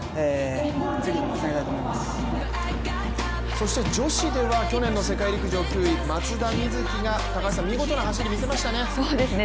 そして女子では去年の世界陸上９位、松田瑞生が高橋さん、見事な走りを見せましたね。